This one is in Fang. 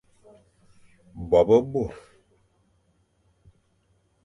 Bo be bôr, des hommes petits, ou peu.